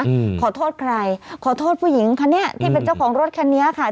อืมขอโทษใครขอโทษผู้หญิงคันนี้ที่เป็นเจ้าของรถคันนี้ค่ะ